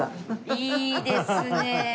いいですね！